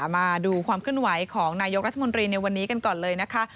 มาดูความเคลื่อนไหวของนายกรัฐมนตรีในวันนี้กันก่อนเลยนะคะ